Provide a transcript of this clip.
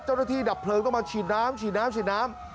เจ้านักที่ดับเพลิงเข้ามาฉีดน้ำ